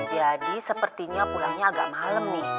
jadi sepertinya pulangnya agak malam nih